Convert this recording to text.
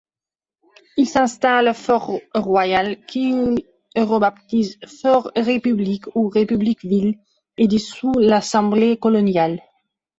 Il s'installe à Fort-Royal qu'il rebaptise Fort-République ou République-ville et dissout l'Assemblée coloniale.